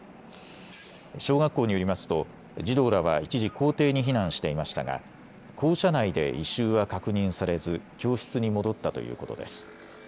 小学校によりますと児童らは一時、校庭に避難していましたが校舎内で異臭は確認されず教室に戻ったということです。